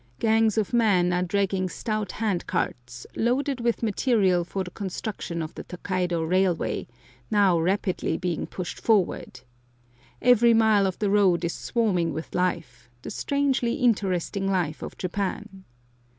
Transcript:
Gangs of men are dragging stout hand carts, loaded with material for the construction of the Tokaido railway, now rapidly being pushed forward. Every mile of the road is swarming with life the strangely interesting life of Japan.